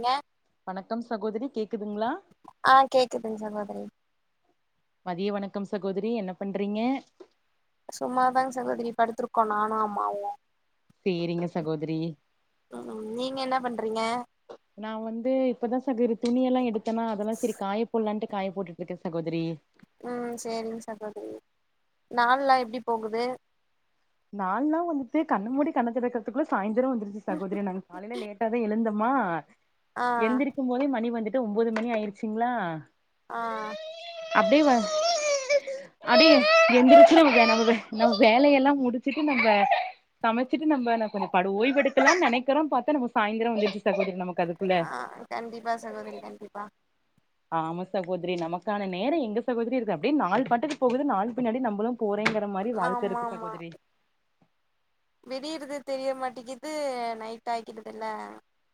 ங்க வணக்கம் சகோதரி கேக்குதுங்குளா ச மதிய வணக்கம் சகோதரி என்ன பண்றீங்க சும்மாாதாங்க சகோதரி படுடுத்திருக்க நானு ஆமாவும் சேரிங்க சகோதரி உம் நீங்க என்ன பண்றீங்க துணியெல்லாம் எடுத்து அதெல்லாம் சரி காயப்போட்டுட்டு காய் போட்டுட்டுக்கே சகோதிரி உம் சரிங்க சகோரி நல்லா எப்படி போகுது நாலுல்லாம் வந்துட்டு கண்ணுமூடி கண்ண கிடக்கறதுக்குள்ள சாயந்தரம் வந்துருச்ச சகோதரி நாங்க காலைல லேட்ட தான் எழுந்த ஆமா ஆ எந்திருக்கும் போதே மணி வந்து ஒன்பது மணி ஆயிருச்சிங்களா ஆஹ் அப்படியே அடியே எந்திரச்ச நம்ம நம்ம வேலையெல்லாம் முடி ட்டு நம்ம சமைச்சுட்டு நம்ம படு ஓய்வு எடுக்கலாம் நனைக்கிறோம் பார்த்தா நம்ம சாய்ந்திரம் வந் ஆஹ் கண்டிப்பா சகோதரரி கண்டிப்பா ஆம சகோதரி நமக்கான நேரம் எங்க சகோதரி இருக்கு அப்படின்னு நாலு பட்டக்கு போகுது நாலு பின்னாடி நம்ம போறும் போறங்கிற மாதிரி வாழ்க்கை ஆமா இருக்கு சகோதரி விடியரது தெரிய மாட்டேக்குிது நைட் ஆக்கடுதல்ல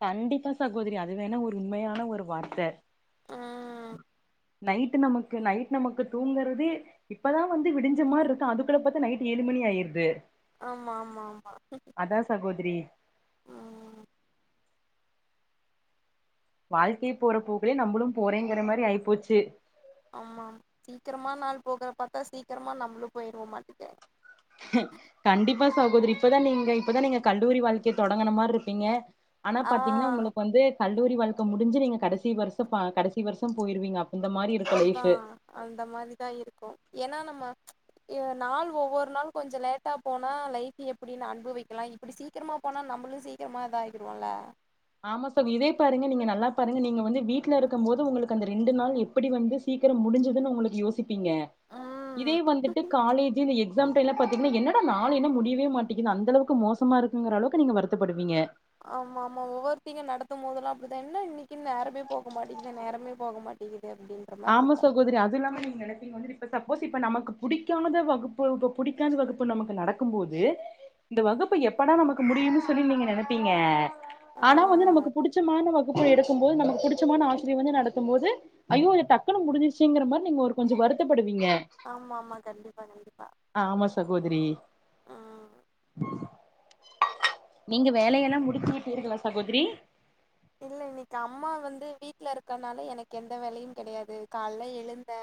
கண்டிப்பா சகோதரி அது வேணா ஒரு உண்மையான ஒரு வார்த்தை ம் நைட் நமக்கு நைட் நமக்கு தூங்குறது இப்பதான் வந்து விடிஞ்ச மாதிரி இருக்கும் அதுக்குள்ள பார்த்த நைட் ஏழு மணி ஆயிருது ஆமா ஆமா ஆமா புரி ம் வாழ்க்கையை போற போகளே நம்மளும் போறேங்கிற மாதிரி ஆயிப்போச்சு ஆமா சீக்கிரமா நாள் போகற பார்த்தா சீக்கிரமா நம்மளும் போயடுவோ மாட்டேக்கேன் கண்டிப்பா ஆாகோதரிி இப்பதான் நீங்க இப்பதான் நீங்க கல்லூரி வாழ்க்கையை தொடங்கின மாதிரி இருப்பீங்க ஆனா ஆ பாத்தீங்கன்னா உங்களுக்கு வந்து கல்லூரி வாழ்க்கை முடிஞ்ச நீங்க கடைசி வருஷம் கடைசி வருஷம் போயிருவீங்க அப்ப ஆமாா அந்த மாதிரிதான் இருக்கும் ஏன்னா நம்ம நாள் ஒவ்வொரு நாள் கொஞ்சம் லேட்டா போனா லைட்ட எப்படின்னு அனுபு வைக்கலாம் இப்படி சீக்கிரமா போனா நம்பமளும் சீக்கிரமா இத ஆகிடுவோம்ல ஆமா சார் இதே பாருங்க நீங்க நல்லா பாருங்க நீங்க வந்து வீட்டுல இருக்கும் மோது உங்களுக்கு அந்த ரெண்டு நாள் எப்படி வந்து சீக்கிரம் முடிஞ்சதுன்னு உங்களுக்கு யோசிக்க ப்பீங்க இதே வந்துட்டு காலேஜ் எக்ஸ எக்ஸாம் டைம்ல பாத்தீங்கன்னா என்னோட நாள் என்ன முடியவே மாட்டேங்கது அந்தளவுக்கு மோசமா இருக்குங்கிறளவுக்கு நீங்க வருத்தப்படுவீங்க ஆமா ஆமா ஒவ்வொரு பீரியட் நடக்கும் போதெல்லாம் அப்படித்தான் என்ன இன்னைக்குன்ன நேரமே போக மாட்டேிது நேரமே போக மாட்டேங்கிது ஆமா சகோதரி அது இல்லாம நீங்க நெனப்பீங்க வந்து இப்ப சப் ப்போஸ் இப்ப நமக்கு புடிக்கானத வகுப்பு இப்ப பிடிக்காத வகுப்பு நமக்கு நடக்கும் போது இந்த வகுப்பு எப்படா நம்ளுக்கு முடியுனு சொல்லி நீங்க நெனப்பீங்க ஆ ஆனா வந்து நமக்கு புடிச்சமான வகுப் எடுக்கும் போது நமக்கு புடிச்சமான ஆசிரியர் வந்து நடத்து போது ஐயோ அது டக்குனு முடிஞ்சிருச்சிகற மாரி நீங்க ஒரு கொஞ்ஜோ வருத்தப்படு இங்க ஆமா ஆமா கண்டிப்பா கண்டிப்பா ஆமா சகோதிரி ம் நீங்க வேலையெல்லா [unintelligible] சகோத்ரி இல்ல இன்னிக்கு அம்மா வந்து வீட்ல இருக்கனால எனக்கு எந்த வேலையு கெடையாது காலைல எழுந்தே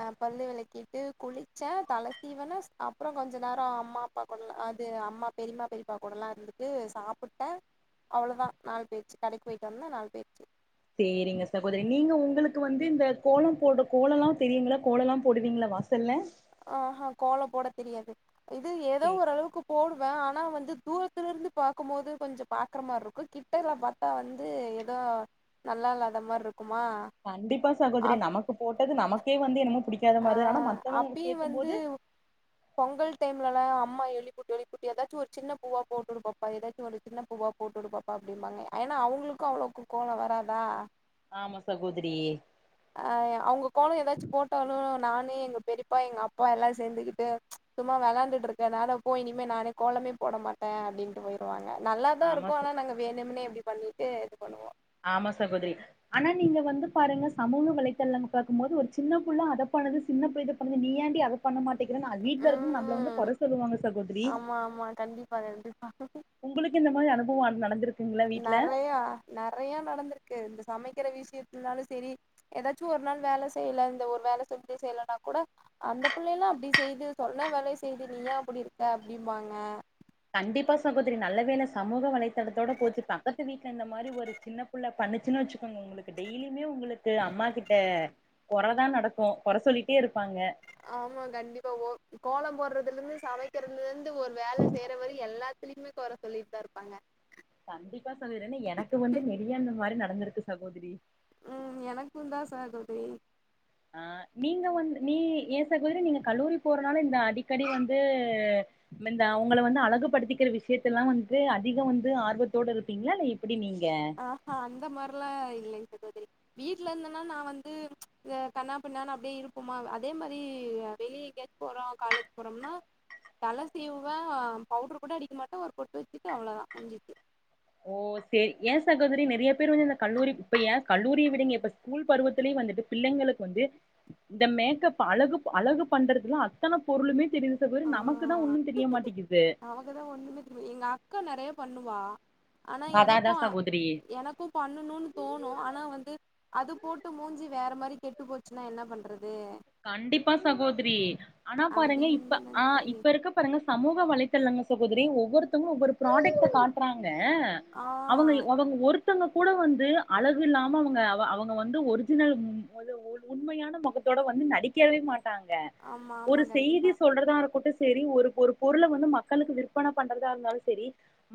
ஆஹ் பல்லு வெலக்கிட்டு குளிச்சே தலசீவுனே அப்றோ கொஞ்ஜோ நேரோ அம்மா அப்பா கூட்லா இது அம்மா பெரிமா பெரிப்பா கூடலா இருந்துட்டு சாப்புட்டே அவ்ளோதா நாலு பெய்ச் கடைக்குபொயிட்டோனா நாலுபெய்ச் சேரிங்க சகோதிரி நீங்க ஒங்ளுக்கு வந்து இந்த கோலம் போட கோலலா தெரியும்ளா கோலலா போடுவீங்ளா வாசல்ல ஆஹ் ஹா கோலோ போட தெரியாது இது ஏதோ ஒரளவுக்கு போடு ஆனா வந்து தூரத்துல இருந்து பாக்கும் போது கொஞ்ஜோ பாக்ற மார்ருக்கு கிட்டல பாத்தா வந்து ஏதோ நல்லா இல்லாத மார்ருக் கண்டிப்பா சகோதிரி நமக்கு போட்டது நமக்கே வந்து என்னமோ புடிக் தா ஆ மாரி ஆனா மத்தவங்க அப்பயு வந்து கேக்கும்போது பொங்கல் டைம்லலா அம்மா எளிப்புட்டு எளிப்புட்டு எதாச்சு ஒரு சின்ன பூவா போட்டுடு பாப்பா எதாச்சு ஒன்னு சின்ன பூவா போட்டு பாப்பா அப்டிம்பாங்க ஏனா அவுங்ளுக்கு அவ்ளோக்கு கோலோ வராதா ஆமா சகோதரி ஆஹ் அவங்க கோலோ ஏதாச்சு போட் இ நானு எங்க பெரிப்பா எங்க அப்பா எல்லா சேந்துக்கிட்டு சும்மா வெளாண்டுட்டுருக்க நேரா போய் இனிமே நானே கோலமே போட மாட்டே அப்டின்ட்டு பொயிடுவாங்க நல்லா தா ஆமா இருக்கு ச ஆனா நாங்க வேணுமுனே அப்டி பண்ணிட்டு இது பண்ணுவோ ஆமா சகோத்ரி ஆனா நீங்க வந்து பாருங்க சமூக வலைத்தளன் பாக்கும் போது ஒரு சின்ன புள்ள அத பண்ணுது சின்ன புள்ளைட்ட இதை பண்ணது நீயாண்டி அத பண்ண மாத் தெக்றேனா வீட்ல இருந்து நம்பள வந்து ம் கொற சொல்லுவாங்க ஆமா ஆமா கண்டிப்பா தா வந்து உங்ளுக்கு இந்த மாரி அனுபவோ நடந்திரு நெறையா நெறையா நடந்திருக்கு இந்த சமைக்கற விஷயத்னால சேரி எதாச்சு ஒரு நாள் வேல செய்ல இந்த ஒரு வேல செஞ்சி செய்லனா கூட அந்த புள்ளைலா அப்டி செய்து சொன்ன வேலைய செய்து நீ ஏ அப்டி இருக்க அப்டிம்பாங்க கண்டிப்பா சகோதிரி நல்லவேல சமூக வலை தடத்தோட போச்சுதா பக்கத்து வீட்ல இந்த மாரி ஒரு சின்ன புள்ள பண்ணுச்சுனு வெச்சு ஒங்ளுக்கு டெய்லியுமே ஒங்ளுக்கு அம்மா கிட்ட கொறதா நடக்கு கொற சொல்லிட்டே இருப்பாங்க ஆமா கண்டிப்பா ஓ கோலம் போடுறதுல இருந்து சமைக்றதுல இருந்து ஒரு வேல செய்ற வரியு எல்லாத்துலயுமே கொற சொல்லிட்டு தா இருப்பாங்க கண்டிப்பா நடந்துருக்கு சகோதிரி உம் எனக்குந்தா சகோதிரி ஆஹ் நீங்க வந்து நீ ஏ சகோதிரி நீங்க கல்லூரி போறனால இந்த அடிக்கடி வந்து மெந்த ஒங்கள வந்து அழகுபடுத்திக்கிற விஷயத்தெல்லா வந்து அதிகோ வந்து ஆர்வத்தோடு இருப்பீங்ளா இல்ல இப்டி நீங் ஆஹ்ஹ அந்த மாதிரிலாம் இல்லை வீட்டுல இருந்தேன்னா நான் வந்து ம்ச் இந்த கண்ணா பின்ண்ணானனு அப்படியே இருப்போமா அதே மாதிரி வெளியே எங்கோச்சும் போறோம் காலேஜ் போறோம்னா தலை சேவுவே பவுடர் கூட அடிக்க மாட்டேன் ஒரு பொட்டு வச்சுட்டு அவ்வளவுதான் முஞ்சச்சு ஓ சரி ஏன் சகோதரி நிறைய பேர் வந்து அ கல்லூரி இப்ப ஏன் கல்லூரியை விடுங்க இப்ப ஸ்கூல் பருவத்துிலயே வந்துட்டு பிள்ளைங்களுக்கு வந்து இந்த மேக்கப் அழகு அழகு பண்றதுல அத்தனை பொருளுமே ஆ [unintelligible] நமக்கு தான் ஒன்னும் தெரிய மாட்டிங்க்குது நமக்குதா ஒண்ணுமே தெரியல. எங்க அக்கா நெறைய பண்ணுவா ஆனா எனக்கும் சகோதரி எனக்கும் பண்ணணும்னு தோணும் ஆனா வந்து அது போட்டு மூஞ்சி வேற மாரி கெட்டு போச்சுன்னா என்ன பண்றது கண்டிப்பா சகோதரி ஆனா பாருங்க இப்ப அப்டின்னு ஆஹ் நெனச்சு இப்ப இருக்க பாருங்க சமூக வளைத்தரலங்க சகோதரி ஒவ்வொருத்தவங்க ஒவ்வரு ப்ராடக்ட் காட்டுறாங் ங்க ஆ அவங்க அவங்க ஒருத் த்தங்க கூட வந்து அழகு இல்லாம அவங்க அவங்க வந்து ஒரிஜினல் உண்மையான முகத் த தோட வந்து நடிக்கவே மாட் டாங்க ஆமா ஆமா ஒரு செய்தி கண்டிப்பா சொல்றதாகட்டு சரி ஒரு ஒரு பொருளை வந்து மக்களுக்கு விற்பனை பண்றதா இருந்தாலும் சரி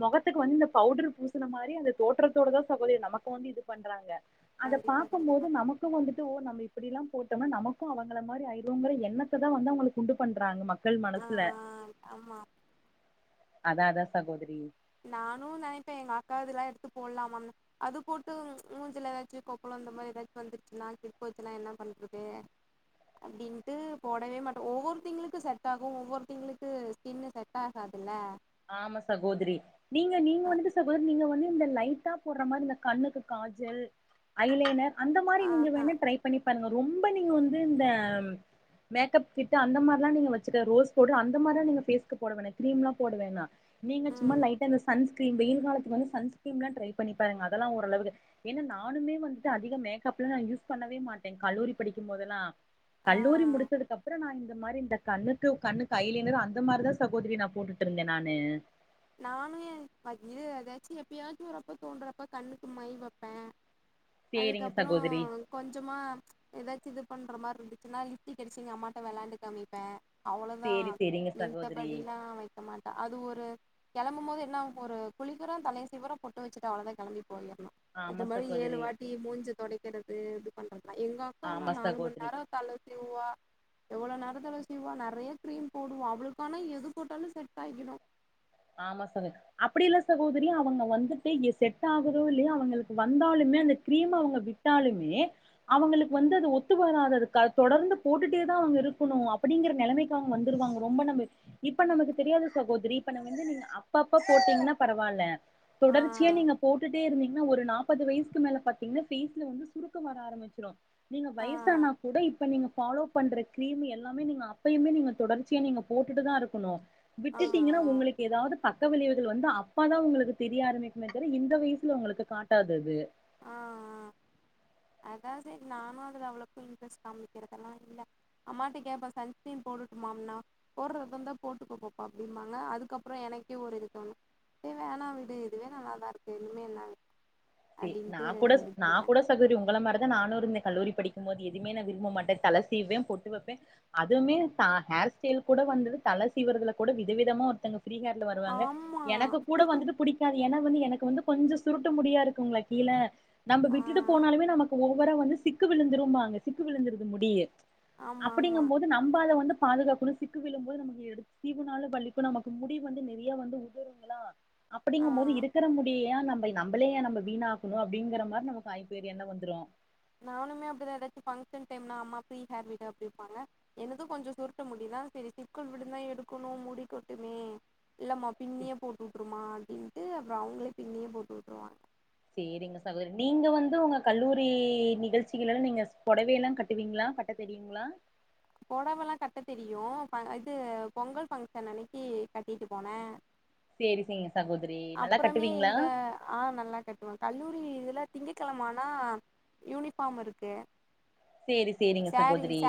முகத்துக்கு வந்து இந்த பவுடர் பூசின மாதிரி அந்த தோற்றத்தோடதான் சகோதரிய நமக்கு வந்து இது பண்றாங்க அத கண்டிப்பா பாார்கக்கும்போது கண்டிப்பா நமக்கும் வந்து போ நம்ம இப்படில்லாம் போ ட்டு நமக்கும் அவங்க மாதிரி ஆயவங்கிற எண்ணத்தை தான் வந்து அவங்களுக்கு கொண்டு பண்றாங்க மக் கள் ஆஹ் ஆமா அதா அதா சகோதிரி நானும் நினைப்பேன் எங்க அக்கா இதெல்லாம் எடுத்து போடலாமாம் அது போட்டு மூஞ்சல ஏதாச்சும் கொப்பளம் இந்த மாதிரி ஏதாச்சும் வந்துச்சுன்னா கிட வச்சுனா என்ன பண்றது அப்படின்ட்டு போடவே மாட்டோம் ஒவ்வொரு திங்களுக்கும் செட் ஆகும் ஒவ்வொரு திங்களுக்கு ஸின்னுு செட் ஆகாதுல்ல ஆமா சகோதிரி நீங்க நீங்க வந்து சகோத நீங்க வந்து இந்த லைட்டா போடுற மாதிரி இந்த கண்ணுக்கு காஜல் அயலனர் அந்த மாதிரி நீங்க ஆஹா வேணும்ட்ரை பண்ணி பாருங்க ரொம்ப நீங்க வந்து இந்த மேக்கப் கிட்டு அந்த மாதிராம் நீங்க வச்சக்க ரோஸ் பவுடர் அந்த மாதிரி தான் நீங்க பேஸ்கு போட வேணாம் கிரீம்லாம் போடுவேனா நீங்க சும்மா ம் லைட்டா இந்த சன் ஸ்கீம் வெயில் காலத்துக்கு வந்து சன்ஸ்க்ரீம் எல்லாம் ட்ரை பண்ணி பாருங்க அதெல்லாம் ஓரளவு ஏன்னா நானுமே வந்துட்டு அதிக மேக்கப்லாம் யூஸ் பண்ணவே மாட்டேன் கல்லூரி படிக்கும் போதெல்லாம் கல்லூரி ஆ முடிச்சதுக்கப்புறம் நா இ இந்த மாதிரி இந்த கண்ணுக்கு கண்ணு கையலினர் அந்த மாதிரி தான் சகோரி நான் போட்டுட் ங்க நானு நானும் ஐய ஏதாச்சும் எப்பயாச்சும் வறப்ப தோன்றறப்ப கண்ணு மயி வைப்பேன் சேரிங்க அதுக்கப்புறம் சகோதரி கொஞ்சமா ஏதாச்சும் இது பண்ற மாதிரி இருந்துச்சுன்னா லிப்டக் அடிச்சி எங்கமாட்ட வெளாண்டு காமிப்ப அவ்வளோதா சேரி சேரிங்க சகோதரி மின்தபடிலா வெக்க மாட்ட அது ஒரு கிளம்பும் போது என்ன ஒரு குளிக்குரோ தலைய சீவுறோ பொட்டு வெச்சிட்டு அவ்ளோ தா கிளம்பிட்டு [unintelligible] இது ஆமா மாரி ஏழு சகோதரி வாட்டி மூஞ்சிய தொடைக்கிறது பன்றங் எங்க அக்கானா ஆமா நாலு மணு சகோதரி நேரோ தல சீவுவா எவ்வளவு நேரோ தல சீவுவா நெ நறைய கிரீம் போடுவோ அவளுக்கான எது போட்டாலு செட் ஆகிரோ ஆமா சகோ அப்படில்ல சகோதரி அவுங்க வந்துட்டு செட் ஆகுதோ இல்லையோ அவுங்குளுக்கு வந்தாலுமே அந்த கிரீம் அவுங்க விட்டாலுமே அவுங்களுக்கு வந்து அது ஒத்து வராது அது தொடர்ந்து போட்டுட்டே கெத்தா அவுங்க இருக்கணோ அப்டிங்கிற நெலமைக் வந்துருவாங்க ரொம்ப நம் இப்ப நமக்கு தெரியாது சகோதரி இப்ப இத வந்து நீங்க அப்ப அப்ப போட்டீங்கன்னா பரவால்ல ஆ தொடர்ச்சியா நீங்க போட்டுட்டே இருந்தீங்கன்னா ஒரு நா முப்பது வயசுக்கு மேல பாத்தீங்கன்னா பேஸ்ல வந்து சுருக்கம் வர ஆரம்பிச்சிரோ நீங்க ஆ வயசானா கூட இப்ப நீங்க ஃபாலோ பண்ற கிரீம் எல்லாமே நீங்க அப்பயுமே நீங்க தொடர்ச்சியா நீங்க போட்டுட்டு தா இருக்கணோ ஆ ஆ விட்டுட்டீங்கனா எதாவது பக்க விளைவுகள் வந்து அப்ப தா உங்களுக்கு தெரிய ஆரம்பிக்குமே தவிர இந்த வயசுல உங்களுக்கு காட்டாதது ஆ அதாவது சரி நானோ அதுல அவ்வளவுக்கு இன்ட்ரெஸ்ட் காமிக்கிறதெல்லா இல்ல அம்மாட்ட கேப்ப சன்ஸ்கிரீம் போடட்டுட்டுமாம்னா போட்றத தா போட்டுக்க பாப்பா அப்படிம்பாங்க அதுக்கப்புறோ எனக்கே ஒரு இது தோணோ செரி வேணா விடு இதுவே நல்லாதா இருக்கு இனிமே என்ன ஏ நா அப்டின்ட்டு கூட நா விட்ருவே கூட சகோரி உங் உங்கள மாரி தா நானுருந்தே கல்லூரி படிக்கும்போது எதுவுமே நா விரும்ப மாட்டே தல சீவுவே பொட்டு வெப்பே அதுமே த ஹேர் ஸ்டைல் கூட வந்தது தல சீவுரதுல கூட வித விதமா ஒருத்தவுங்க ஃப்ரீ ஹேர்ல வருவாங்க ஆமா எனக்கு கூட வந்துட்டு பிடிக்காது ஏன்னா வந்து எனக்கு வந்து கொஞ்சோ சுருட்ட முடியா இருக் இருக்குங்களா கீல நம்ம ஆ விட்டுட்டு போனாலுமே நமக்கு ஒவ் வர வந்து சிக்கு விழுந்துரும்பாங்க சிக்கு விழுந்துருது முடியி ஆமா ஆமா அப்படிங்கும்போது நம்பால அத வந்து பாதுகாக்கணோ சிக்கு விழும்போது நமக்கு எ சீவுனாலு வலிக்கோ நமக்கு முடி வந்து நறைய வந்து உதுருங்களா ஆ அப்படிங்கும் போது இருக்குற முடிய ஏனா நம்ப நம்பளே நம்பக் வீணாக்குவோ அப்டீங்கிற மாரி நமக்கு ஆயிபோயி எண்ணோ வந்துரோ நானுமே அப்படிதா ஏதாச்சு பங்க்ஷன் டைம்னா அம்மா ப்ரீ ஹேர் விடு அப்டீம்பாங்க என்னதும் கொஞ்சோ சுருட்ட முடி தா செரி சிக்குல் விழுந்தா எடுக்கணோ முடிக்கொட்டுமே இல்லம்மா பின்னியே போட்டு விட்டுருமா அப்படின் இது அப்புறோ அவுங்களே பின்னியே போட்டு வுட்டுருவாங்க சேரிங்க சகோதரி நீங்க வந்து உங்க கல்லூரி நிகழ்ச்சிலெல்லாம் நீங்க பொடவேலா கட்டுவீங்களா கட்ட தெரியுங்களா பொடவலா கட்ட தெரியோ அ இது பொங்கல் ஃபங்ஷன் அன்னிக்கு கட்டிட்டு போன சேரி சேரிங்க சகோதரி நல்லா அப்புறமே கட்டுவீங்களா எங்க ஆ நல்லா கட்டுவ கல்லூரி இதுல திங்கக்கிழமானா யூனிபார்ம் இருக்கு சரி சரிங்க சகோதரி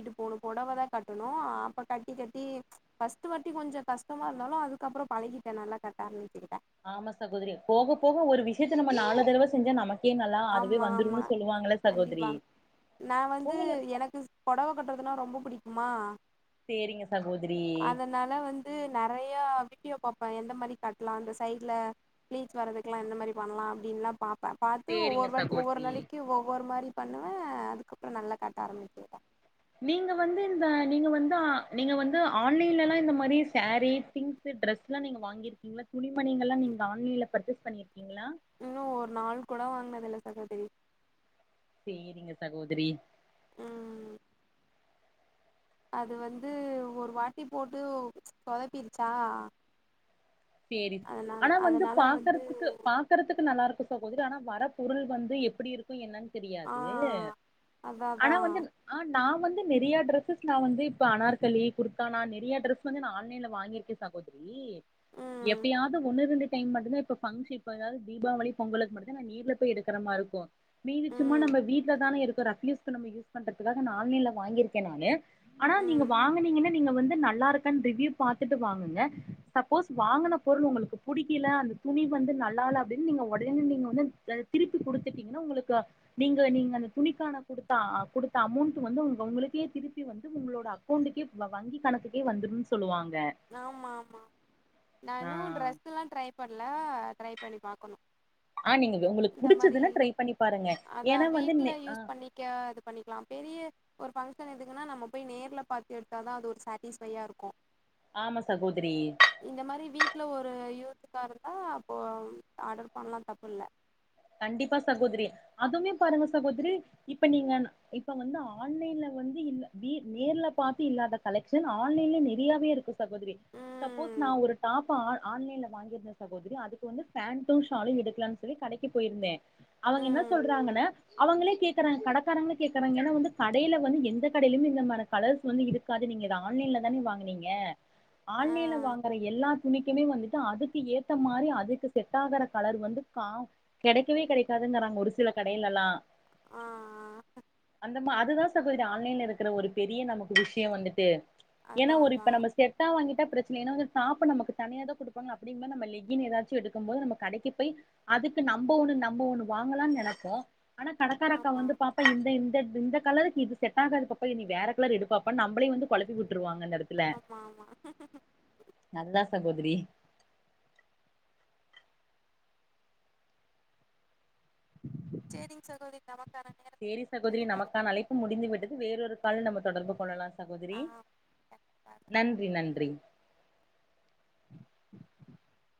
ட்டு போணும் புடவை தான் கட்டணும் அப்ப கட்டி கட்டி ஸ்ட்டி கொஞ்சம் கஷ்டமா இருந்தாலும் அதுக்கப்புறம் பழகிட்டேன் நல்லா கட்டான்னு வச்சுக்கிட்டேன் ஆமா சகோதரி போக போக ஒரு விஷயத்த நம்ம நாலு தடவை செஞ்ச நமக்கு ஆமா ஆமா கண்டிப்பா சகோதரி நான் வந்து உங்களு எனக்கு புடவை கட்டுறதுனா ரொம்ப பிடிக்கும் மா சேரிங்க சகோதரி அதனால வந்து நிறைய வீடியோ பாரேன் எந்த மாதிரி கட்டலாம் இந்த சை்ல பீச் வரதுக்க எாம் எந்த மாதிரி பண்ணலாம் அடின்னுலாம் பாேன் சேரிங்க ஒவ்வொரு ஒவ்வொரு சகோதரி நாளைக்கு ஒவொரு மாதிரி பண்ணுவேன் அதுக்கப்புறம் நல்ல காட்ட ஆரம்பிச்சன் நீங்க வந்து இந்த நீங்க வ நீங்க வந்து ஆன்லைன்ல எாம் இந்த மாதிரி சர திங்ஸ் டிரெஸ் எல்லாம் நீங்க வாங்கிருக்கீ துணி மண எாம்ங்கன்லைன்ல பர்ச்சேஸ் பீ இன்னும் ஒரு நாள் கூட வாங்கினது நல்ல சகோதரி சரிங்க சகோதரி உஹம் அது வந்து ஒரு வாட்டி போட்டு சொதப்பிருச்சா சரி அதனா ஆனா வந்து அதனால வந்து பாக்கறதுக்கு பாக்கறதுக்கு நல்லா இருக்கும் சகதர் ஆனா வர பொருள் வந்து எப்படி இருக்கும் என்னன்ன ஆ தெரியாது அதா அதா ஆனா வந்து ஆ நான் வந்து நிறையா டிரரெஸஸ் நான் வந்து இப்போ அனார்களிி குர்தானா நிறையா ட்ரெஸ் வந்து நான் ஆன்லைன்ல வாங்கியிருக்கேன் சகோதரி உஹம் எப்படியாவது ஒன்னு ரெண்டு டைம் மட்டும்தான் இப்ப பப்ன் இப்ப ஏாவது தீபாவளி பொங்கலு மட்டுும்ான் நான் நீர்ல போய் எடுற மாதிரிக்கும் மீதிச்சும்மா ம் நம்ம வீட்டுல தானே இரு ரூ பண்ற வாங்கிருக்கேன்ோஸ் ம் வா பொருள் உங்களுக்கு பிடிக்கல அந்த துணி வந்து நல்ல அப்படின்னு நீங்க உடனே நீங்க வந்து திருப்பி கொடுத்துட்டீங்கன்னா உங்களுக்கு நீங்க நீங்க அந்த துணிக்கான கொடுத்த கொடுத்த அமௌண்ட் வந்து உங்க உங்களுக்கே திருப்பி வந்து உங்களோட அக்கௌண்ட்டக்கே வங்கி கணக்குக்கே வந்துரும்னு சொல்லுவாங்க ஆமா ஆமா ஆ நான் ும் ட்ிரெஸ் எல்லாம் ட்ரை பண்ணல ட்ரை பண்ணி பாக்கணும் ஆ நீங்க உங்களுக்கு இந்த மாதிரி புடிச்சதுன்னா ட்ரை பண்ணி பாருங்க ஏன்னா அதான் வந்து நெ வீட்டுல ஆ யூஸ் பண்ணிக்க இது பண்ணிக்கலாம் பெரிய ஒரு பபங்க்ஷன் எதுக்குன்னா நம்ம போய் நேர்ல பாத்து எடுத்தாதான் அது ஒரு சாட்டிஸ்ஃபையா இருக்கும் ஆமா சகோதரி இந்த மாதிரி வீட்டுல ஒரு க்க இருந்தா அப்போ ஆர்டர் பண்ணலாம் தப்பு இல்ல கண்டிப்பா சகோதரி அதுமே பாருங்க சகோதரி இப்ப நீங்க இப்ப வந்து ஆன்லைன்ல வந்து நேர்ல பாார்த்து இல்லாத கலெக்ஷன் ஆன்லைன்ல நிறையாவே இருக்கு ி சப்போஸ் ம் நான் ஒரு டாப் ஆன்லைன்ல வாங்கியிருந்த சகோதரி அதுக்கு வந்து பேண்டும் ஷாலும் எடுக்கலாம்னு சொல்லி கடை போயிருந்தே அவங்க என்ன ம் சொல்றாங்கன்ன அவங்களே கேக்குறாங்க கடைக்காரங்களே கேக்குறாங்க ஏன்னா வந்து கடையில வந்து எந்த கடையிலுமே இல்ல மாிர கலர்ஸ் வந்து இருக்காது நீங்க ஆன்லைன்ல தானே வாங்கினீங்க ஆ ஆன்லைன்ல வாங்கற எல்லா என்னைக்குமே வந்துட்டு அதுக்கு ஏத்த மாரி அதுக்கு செட்டாகற கலர் வந்து கா கெடைக்கவே கெடைக்காதுங்குறாங்க ஒரு சில கடையிலலாம் ஆஹ் ஆஹ அந்த மா அதுதான் சொல்றேன் ஆன்லைன்ல இருக்குற ஒரு பெரிய நமக்கு விஷயம் வந்துட்டு ஏன்னா அதா ஒரு அதா இப்ப நம்ம செட்டா வாங்கிட்டா பிரச்சனைனா வந்து டாப் நமக்கு தனியான் கொடுப்பாங்க அப்டிங்கும்போது நம்ம லெகின் எதாச்சும் எடுக்கும் போது நம்ம கடைக்கு போய் அதுக்கு நம்ப ஒண்ணு நம்ம ஒண்ணு வாங்கலானு நெனப்போ ஆனா கடக்காரக்கா ஆமா வந்து பாத்தா இந்த இந்த இந்த கலருக்கு இது செட்டாகாது பாப்பா நீ வேற கலரு எடு பாப்பானு நம்மளையும் வந்து கொழப்பி விட்ருவாங்க அந்த எடத்துல ஆமா ஆமா நல்லா ச பதிரி சேரிங்க சகோதரி நமக்கான நேரம் சேரி சகோதரி முடிந்தது அடுத்த நமக்கான அழைப்பு முடிந்து விட்டது வேறொரு கால் நம்ம தொடர்பு கொள்ளலா சகோதரி ஆ நன்றி கண்டிப்பா நன்றி [inaudible]